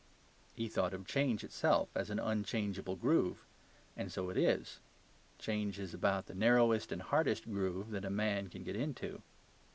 He thought of change itself as an unchangeable groove; and so it is. Change is about the narrowest and hardest groove that a man can get into.